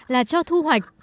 là cho thu hoạch